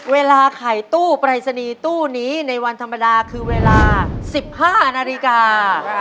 เวลาขายตู้ปรายศนีย์ตู้นี้ในวันธรรมดาคือเวลา๑๕นาฬิกา